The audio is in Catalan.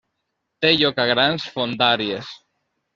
Té lloc a grans fondàries.